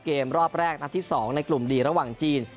เกมรอบแรกนัดที่๒ในกลุ่มดีระหว่างจีน